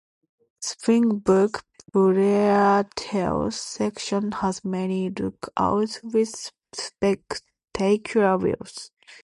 Springbrook Plateau section has many lookouts with spectacular views.